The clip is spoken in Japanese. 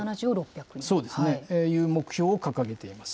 そうですね。という目標を掲げています。